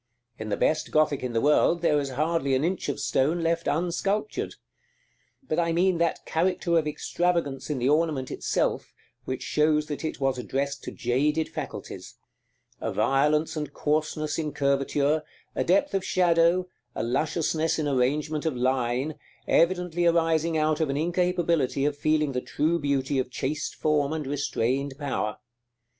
In the best Gothic in the world there is hardly an inch of stone left unsculptured. But I mean that character of extravagance in the ornament itself which shows that it was addressed to jaded faculties; a violence and coarseness in curvature, a depth of shadow, a lusciousness in arrangement of line, evidently arising out of an incapability of feeling the true beauty of chaste form and restrained power.